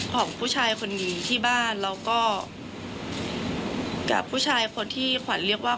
ของผู้ชายคนนี้ที่บ้านแล้วก็กับผู้ชายคนที่ขวัญเรียกว่า